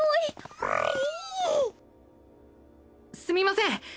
すみません。